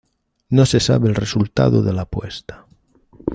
No se sabe el resultado de la apuesta.